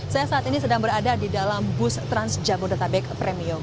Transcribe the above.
saya saat ini sedang berada di dalam bus trans jabodetabek premium